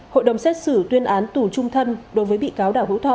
hội đồng xét xử tuyên án tù trung thân đối với bị cáo đào hữu thọ